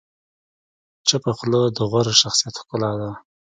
چپه خوله، د غوره شخصیت ښکلا ده.